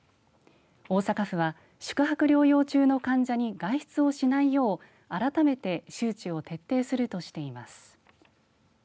大阪府は宿泊療養中の患者に外出をしないよう、改めて周知を徹底するとしています。